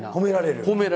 褒められる？